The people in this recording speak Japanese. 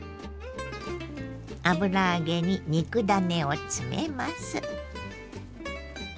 油揚げに肉ダネを詰めます。